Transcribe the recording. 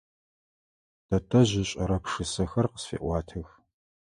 Тэтэжъ ышӏэрэ пшысэхэр къысфеӏуатэх.